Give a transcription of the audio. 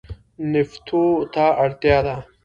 نفتو ته اړتیا ده.